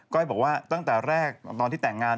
้อยบอกว่าตั้งแต่แรกตอนที่แต่งงาน